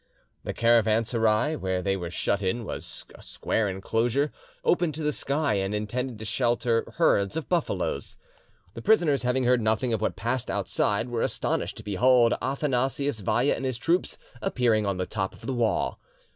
The caravanserai where they were shut in was square enclosure, open to the sky, and intended to shelter herds of buffaloes. The prisoners having heard nothing of what passed outside, were astonished to behold Athanasius Vaya and his troop appearing on the top of the wall.